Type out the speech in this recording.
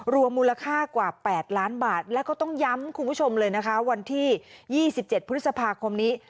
รวมมูลค่ากว่า๘ล้านบาทแล้วก็ต้องย้ำคุณผู้ชมเลยนะคะวันที่๒๗พฤษภาคมนี้